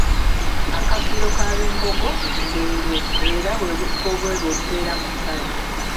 Akabbiro k'abembogo Ndeerwe era bwebutiko obweru obumera mu ttale.